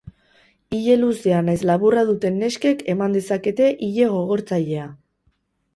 Ile luzea nahiz laburra duten neskek eman dezakete ile-gogortzailea.